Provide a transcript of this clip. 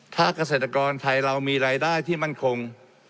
ถ้าเกษตรกรไทยเรามีรายได้ที่มั่นคง